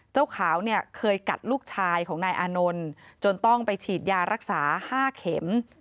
เจ้าขาวเนี่ยเคยกัดลูกชายของนายอานนท์จนต้องไปฉีดยารักษา๕เข็ม